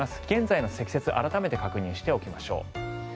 現在の積雪改めて確認しておきましょう。